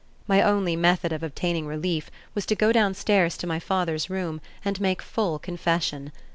My only method of obtaining relief was to go downstairs to my father's room and make full confession.